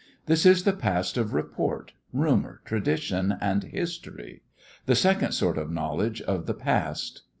This is the past of report, rumor, tradition, and history the second sort of knowledge of the past.